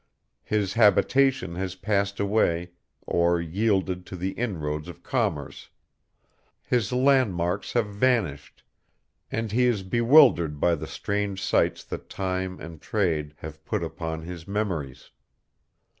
His habitation has passed away or yielded to the inroads of commerce, his landmarks have vanished, and he is bewildered by the strange sights that time and trade have put upon his memories.